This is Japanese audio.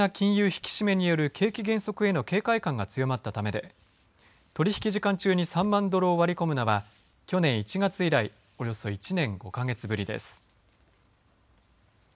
引き締めによる景気減速への警戒感が強まったためで取り引き時間中に３万ドルを割り込むのは去年１月以来およそ１年５か月ぶりです。